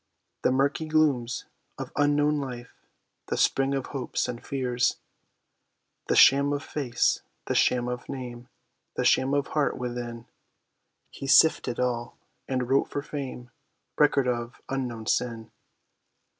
The murky glooms of unknown life, the spring of hopes, and fears, The sham of face, the sham of name, the sham of heart within; He sifted all, and wrote for fame, record of unknown sin.